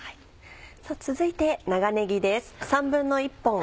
続いて長ねぎです。